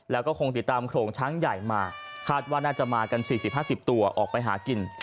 แล้วก็คงติดตามโขลงช้างใหญ่มาคาดว่าน่าจะมากัน๔๐๕๐ตัวออกไปหากิน